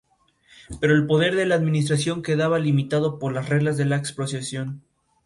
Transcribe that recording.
Pero el poder de la administración quedaba limitado por las reglas de la expropiación.